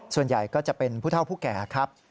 ส่วนใหญ่ก็จะเป็นผู้เท่าผู้แก่ครับ